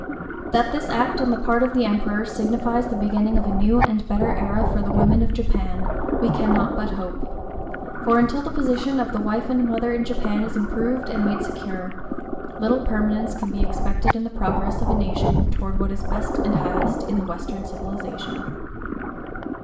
That this act on the part of the Emperor signifies the beginning of a new and better era for the women of Japan, we cannot but hope; for until the position of the wife and mother in Japan is improved and made secure, little permanence can be expected in the progress of the nation toward what is best and highest in the Western civilization.